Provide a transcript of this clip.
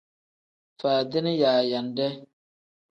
Faadini yaayande.